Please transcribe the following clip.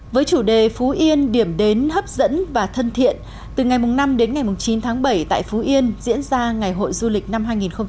với chủ đề phú yên điểm đến hấp dẫn và thân thiện từ ngày năm đến ngày chín tháng bảy tại phú yên diễn ra ngày hội du lịch năm hai nghìn một mươi chín